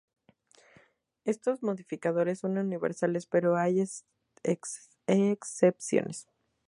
Estos modificadores son universales pero hay excepciones.